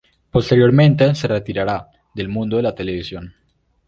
Posteriormente se retiraría del mundo de la televisión.